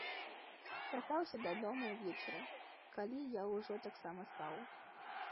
Вяртаўся дадому ўвечары, калі я ўжо таксама спаў.